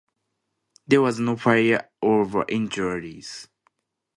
There was no fire or injuries.